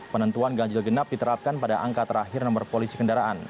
penentuan ganjil genap diterapkan pada angka terakhir nomor polisi kendaraan